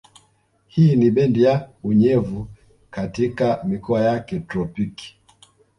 Hii ni bendi ya unyevu katika mikoa ya kitropiki